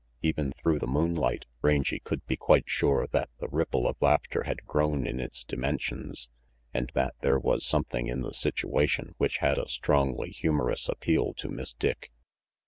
Even through the moonlight, Rangy could be quite sure that the ripple of laughter had grown in its dimensions, and that there was something in the situation which had a strongly humorous appeal to Miss Dick.